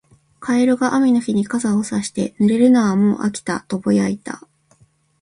カエルが雨の日に傘をさして、「濡れるのはもう飽きた」とぼやいた。